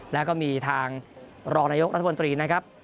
แล้วก็มีทางรองนายกรัฐมนตรีนะครับ